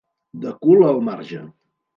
De cul al marge.